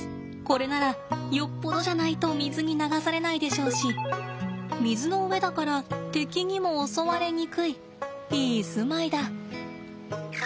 これならよっぽどじゃないと水に流されないでしょうし水の上だから敵にも襲われにくいいい住まいだ。